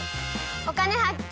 「お金発見」。